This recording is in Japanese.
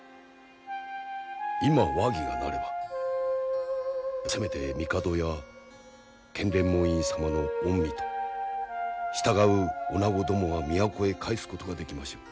今和議がなればせめて帝や建礼門院様の御身と従う女子どもは都へ帰すことができましょう。